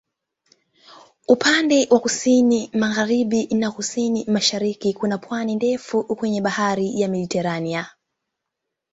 Upande wa kusini-magharibi na kusini-mashariki kuna pwani ndefu kwenye Bahari ya Mediteranea.